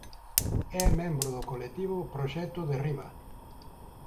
É membro do colectivo Proxecto Derriba.